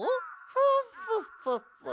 フォッフォッフォッフォッ。